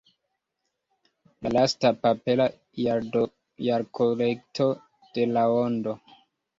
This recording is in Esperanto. La lasta papera jarkolekto de La Ondo.